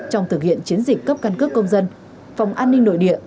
trong thực hiện chiến dịch cấp căn cước công dân phòng an ninh nội địa